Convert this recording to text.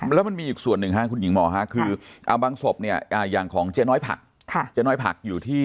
แล้วมันมีอีกส่วนหนึ่งค่ะคุณหญิงหมอค่ะการบังศพอย่างของเจ๊น้อยผัก